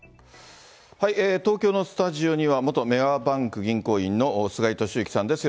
東京のスタジオには、元メガバンク銀行員の菅井敏之さんです。